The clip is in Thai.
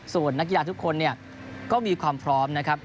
ส่วนนักกีฬาทุกคนเนี่ยก็มีความพร้อมนะครับ